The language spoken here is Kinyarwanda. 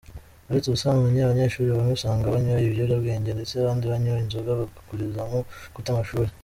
Uretse ubusambanyi abanyeshuri bamwe usanga banywa ibiyobyabwenge ndetse abandi banywa inzoga bagakurizamo guta amashuri.